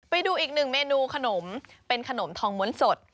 ไปดูอีกหนึ่งเมนูขนมเป็นขนมทองม้วนสด